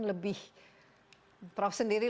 lebih prof sendiri